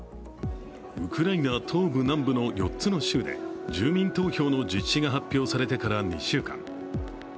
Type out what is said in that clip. ウクライナ東部、南部の４つの州で住民投票の実施が発表されてから２週間。